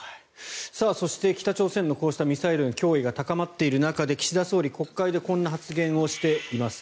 そして、北朝鮮のこうしたミサイルの脅威が高まっている中で岸田総理は国会でこんな発言をしています。